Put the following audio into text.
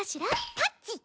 タッチ！